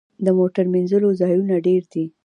د موټر مینځلو ځایونه ډیر دي؟